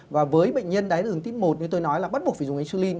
với bệnh nhân đài tháo đường tiếp một như tôi nói bắt buộc phải dùng insulin